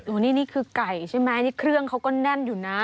นี่คือไก่ใช่ไหมเครื่องเขาก็แน่นอยู่นะ